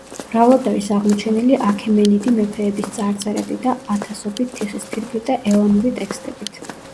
მრავლად არის აღმოჩენილი აქემენიდი მეფეების წარწერები და ათასობით თიხის ფირფიტა ელამური ტექსტებით.